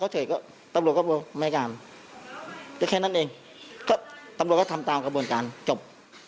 ก็ตำรวจก็ทำตามกระบวนการจบ